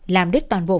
làm đứt toàn bộ phòng